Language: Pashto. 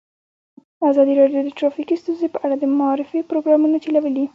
ازادي راډیو د ټرافیکي ستونزې په اړه د معارفې پروګرامونه چلولي.